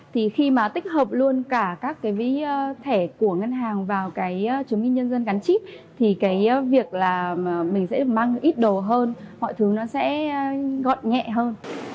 thì khi mà tích hợp luôn cả các cái thẻ của ngân hàng vào cái chủ nghĩa nhân dân gắn chiếc thì cái việc là mình sẽ mang ít đồ hơn mọi thứ nó sẽ gọn nhẹ hơn